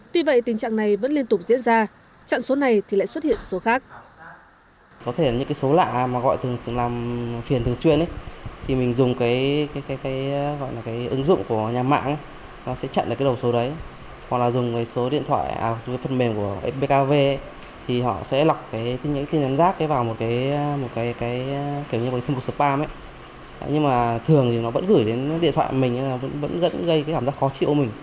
tuy vậy tình trạng này vẫn liên tục diễn ra chặn số này thì lại xuất hiện số khác